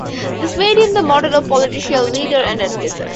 This made him the model of a political leader and advisor.